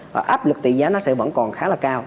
và áp lực tỷ giá nó sẽ vẫn còn khá là cao